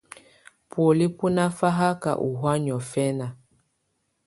Bɔ̀óli bù nà faka ù hɔ̀á niɔ̀fɛna.